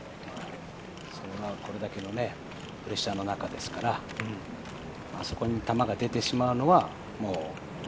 それは、これだけのプレッシャーの中ですからそこに球が出てしまうのは。